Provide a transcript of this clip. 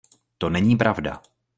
To není pravda.